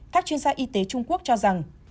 các chuyên gia y tế trung quốc cho rằng